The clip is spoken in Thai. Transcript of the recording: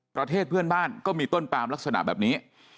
ประเทศเพื่อนบ้านก็มีต้นปามลักษณะแบบนี้